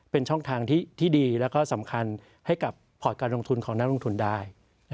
เป็นช่องทางที่ดีแล้วก็สำคัญให้กับพอร์ตการลงทุนของนักลงทุนได้